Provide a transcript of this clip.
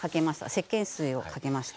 せっけん水をかけました。